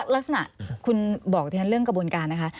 ลักษณะคุณบอกดิฉันเรื่องกระบวนการนะคะ